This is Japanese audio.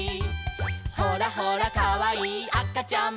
「ほらほらかわいいあかちゃんも」